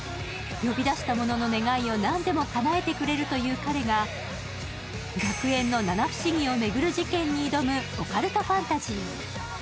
呼び出した者の願いを何でもかなえてくれるという彼が学園の七不思議を巡る事件に挑むオカルトファンタジー。